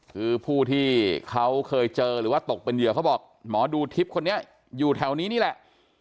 คือผู้ที่เขาเคยเจอหรือว่าตกเป็นเหยื่อเขาบอกหมอดูทิพย์คนนี้อยู่แถวนี้นี่แหละ